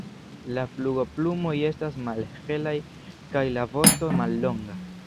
La flugoplumoj estas malhelaj kaj la vosto mallonga.